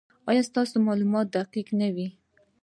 ایا ستاسو معلومات به دقیق نه وي؟